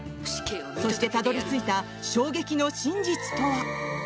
そして、たどり着いた衝撃の真実とは。